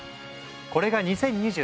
これが２０２３年